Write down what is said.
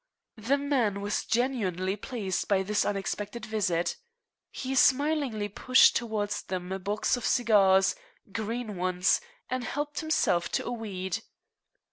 The man was genuinely pleased by this unexpected visit. He smilingly pushed towards them a box of cigars, green ones, and helped himself to a weed.